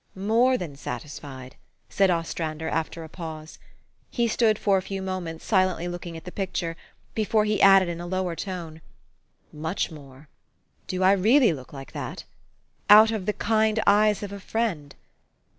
" "More than satisfied," said Ostrander, after a pause. He stood for a few moments, silently looking at the picture, before he added in a lower tone, " Much more. Do I really look like that? Out of the kind eyes of a friend?